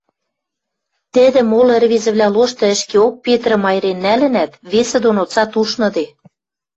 Тӹдӹ молы ӹрвезӹвлӓ лошты ӹшкеок Петрӹм айырен нӓлӹнӓт, весӹ доно цат ушныде.